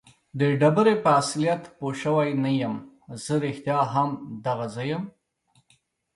د ډبرې په اصلیت پوه شوی نه یم. زه رښتیا هم دغه زه یم؟